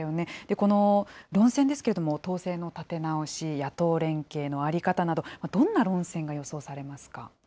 この論戦ですけれども、党勢の立て直し、野党連携の在り方など、どんな論戦が予想されますか？